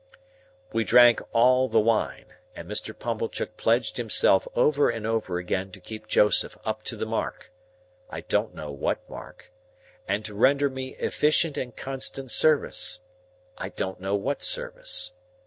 We drank all the wine, and Mr. Pumblechook pledged himself over and over again to keep Joseph up to the mark (I don't know what mark), and to render me efficient and constant service (I don't know what service).